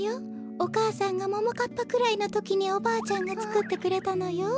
お母さんがももかっぱくらいのときにおばあちゃんがつくってくれたのよ。